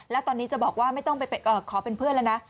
และตอนนี้จะบอกว่าขอเป็นเพื่อนแล้วนะ